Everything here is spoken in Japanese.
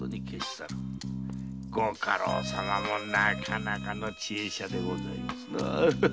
ご家老様もなかなかの知恵者でございます。